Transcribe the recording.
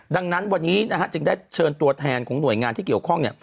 ดังนั้นวันนี้จึงได้เชิญตัวแทนของหน่วยงานที่เกี่ยวข้อง